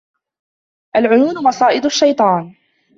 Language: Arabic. الْعُيُونُ مَصَائِدُ الشَّيْطَانِ